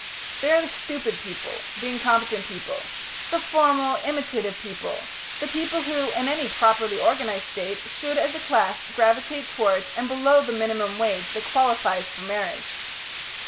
They are the stupid people, the incompetent people, the formal, imitative people, the people who, in any properly organised State, should, as a class, gravitate towards and below the minimum wage that qualifies for marriage.